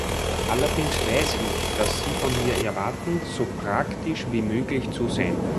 Allerdings weiß ich, dass Sie von mir erwarten, so praktisch wie möglich zu sein.